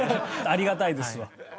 ありがたいですわ。